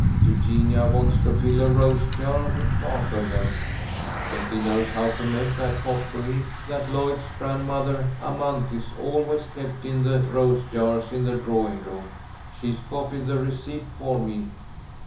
Eugenia wants to fill a rose jar with part of them. Betty knows how to make that potpourri that Lloyd's Grandmother Amanthis always kept in the rose jars in the drawing room. She's copied the receipt for me.